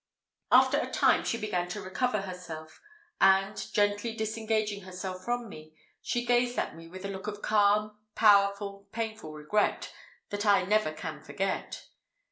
After a time she began to recover herself; and, gently disengaging herself from me, she gazed at me with a look of calm, powerful, painful regret, that I never can forget.